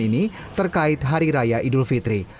ini terkait hari raya idul fitri